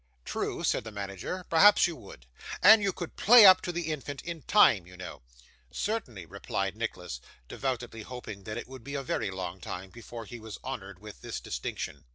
'True,' said the manager. 'Perhaps you would. And you could play up to the infant, in time, you know.' 'Certainly,' replied Nicholas: devoutly hoping that it would be a very long time before he was honoured with this distinction.